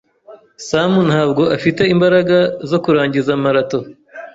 Sam ntabwo afite imbaraga zo kurangiza marato.